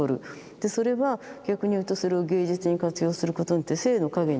でそれは逆にいうとそれを芸術に活用することによって生の影になる。